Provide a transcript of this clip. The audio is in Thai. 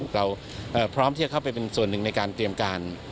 เราพร้อมที่จะเข้าไปเป็นส่วนหนึ่งในการเตรียมการ